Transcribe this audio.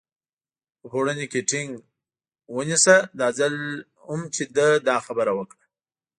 په پوړني کې ټینګ ونېژه، دا ځل هم چې ده دا خبره وکړه.